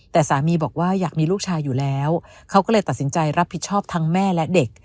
แต่สามีบอกว่าอยากมีลูกชายอยู่แล้วเขาก็เลยตัดสินใจรับผิดชอบทั้งแม่และเด็ก